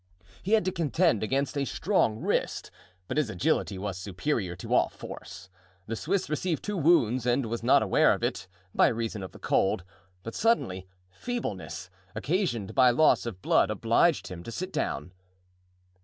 He had to contend against a strong wrist, but his agility was superior to all force. The Swiss received two wounds and was not aware of it, by reason of the cold; but suddenly feebleness, occasioned by loss of blood, obliged him to sit down.